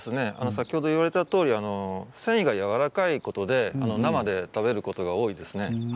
先ほど言われたとおりに繊維がやわらかいことで生で食べることが多いですね。